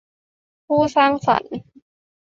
ผู้สร้างสรรค์